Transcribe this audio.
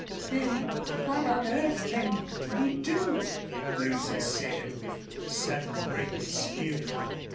"Then what on earth can we do?" Lucy said, with sudden break of spirit.